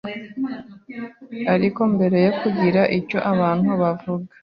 ariko mbere yo kugira icyo abantu bavuga